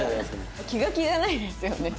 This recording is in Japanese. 気が気じゃないですよね。